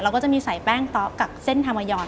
เราก็จะมีใส่แป้งต๊อกับเส้นทามายอน